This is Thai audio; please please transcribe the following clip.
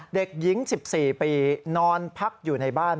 เด็กหญิง๑๔ปีนอนพักอยู่ในบ้าน